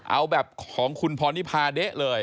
เอาแบบของคุณพรนิพาเด๊ะเลย